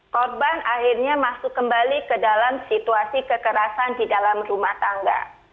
korban akhirnya masuk kembali ke dalam situasi kekerasan di dalam rumah tangga